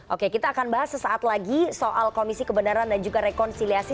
oke kita akan bahas sesaat lagi soal komisi kebenaran dan juga rekonsiliasi